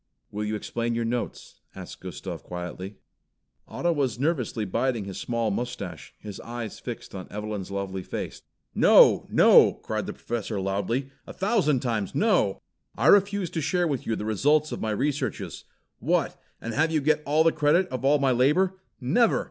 "Will you explain your notes?" asked Gustav quietly. Otto was nervously biting his small moustache, his eyes fixed on Evelyn's lovely face. "No! No!" cried the Professor loudly, "a thousand times no! I refuse to share with you the results of my researches. What, and have you get the credit of all my labor? Never!"